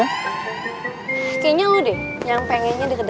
apanya kamuanggerepan nih